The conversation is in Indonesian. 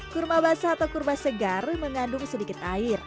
kurma basah atau kurma segar mengandung sedikit air